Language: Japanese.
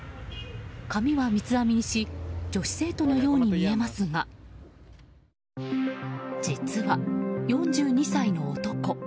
髪は三つ編みにし女子生徒のように見えますが実は、４２歳の男。